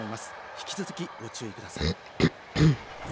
引き続き、ご注意ください。